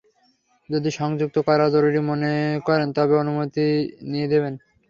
যদি সংযুক্ত করা জরুরি মনে করেন তবে পূর্ব অনুমতি নিয়ে নেবেন।